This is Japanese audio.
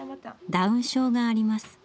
ダウン症があります。